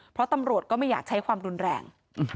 เพราะตำรวจก็ไม่อยากใช้ความรุนแรง